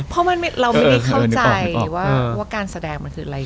เพราะเราไม่ได้เข้าใจว่าการแสดงมันคืออะไร